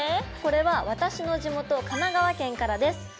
これは私の地元神奈川県からです！